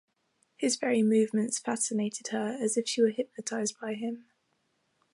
His very movements fascinated her as if she were hypnotised by him.